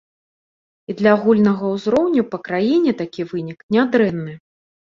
І для агульнага ўзроўню па краіне такі вынік нядрэнны!